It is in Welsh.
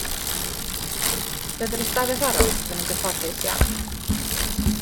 Doedd yr ystafell aros ddim yn gyfforddus iawn.